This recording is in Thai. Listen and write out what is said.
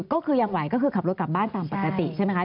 ก็คือยังไหวก็คือขับรถกลับบ้านตามปกติใช่ไหมคะ